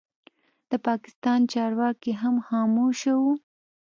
د پاکستان چارواکي هم خاموشه وو.